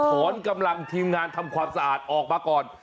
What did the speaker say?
ถอนกำลังทีมงานทำความสะอาดออกมาก่อน